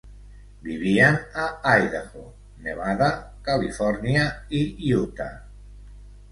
Vivien a Idaho, Nevada, Califòrnia, i Utah.